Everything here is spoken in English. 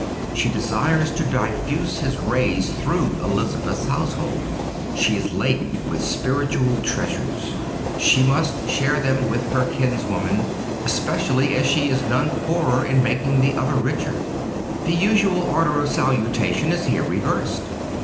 She desires to diffuse His rays through Elizabeth's household. She is laden with spiritual treasures. She must share them with her kinswoman, especially as she is none the poorer in making others richer. The usual order of salutation is here reversed.